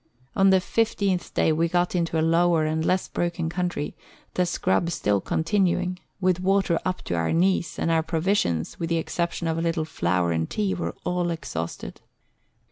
On the fifteenth day we got into a lower and less broken country, the scrub still continuing, with water up to our knees, and our pro visions, with the exception of a little flour and tea, were all exhausted.